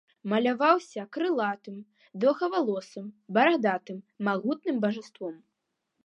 Маляваўся крылатым, доўгавалосым, барадатым, магутным бажаством.